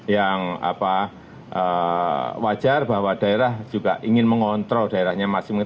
yang wajar bahwa daerah juga ingin mengontrol daerahnya masing masing